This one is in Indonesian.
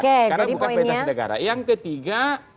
karena bukan fasilitas negara yang ketiga